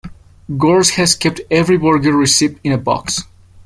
Gorske has kept every burger receipt in a box.